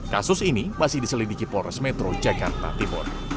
kasus ini masih diselidiki polres metro jakarta timur